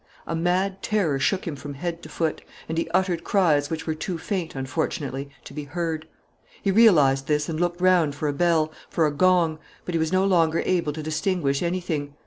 A mad terror shook him from head to foot; and he uttered cries which were too faint, unfortunately, to be heard. He realized this and looked round for a bell, for a gong; but he was no longer able to distinguish anything.